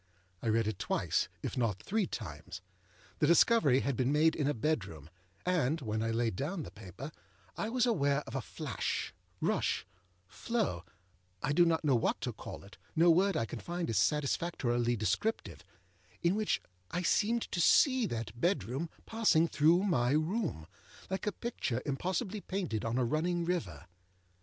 I read it twice, if not three times. The discovery had been made in a bedroom, and, when I laid down the paper, I was aware of a flashârushâflowâI do not know what to call it, âno word I can find is satisfactorily descriptive, âin which I seemed to see that bedroom passing through my room, like a picture impossibly painted on a running river.